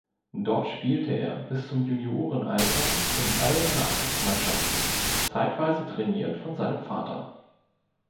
Dort spielte er bis zum Juniorenalter in allen Nachwuchsmannschaften, zeitweise trainiert von seinem Vater.